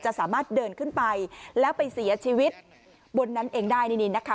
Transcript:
สามารถเดินขึ้นไปแล้วไปเสียชีวิตบนนั้นเองได้นี่นะคะ